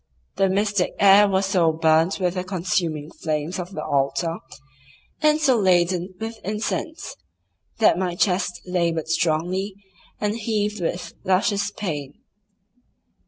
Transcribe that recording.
The mystic air was so burnt with the consuming flames of the altar, and so laden with incense, that my chest laboured strongly, and heaved with luscious pain.